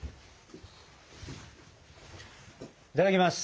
いただきます。